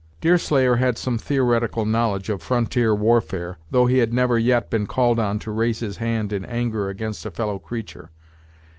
Deerslayer had some theoretical knowledge of frontier warfare, though he had never yet been called on to raise his hand in anger against a fellow creature.